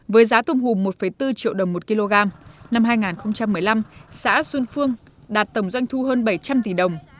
với giá tôm hùm một bốn triệu đồng một kg năm hai nghìn một mươi năm xã xuân phương đạt tổng doanh thu hơn bảy trăm linh tỷ đồng